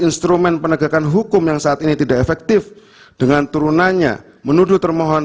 instrumen penegakan hukum yang saat ini tidak efektif dengan turunannya menuduh termohon